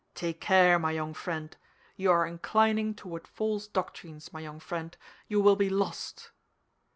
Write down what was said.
Take care, my young friend. You are inclining toward false doctrines, my young friend; you will be lost."